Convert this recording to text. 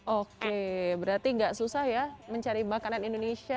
oke berarti gak susah ya mencari makanan indonesia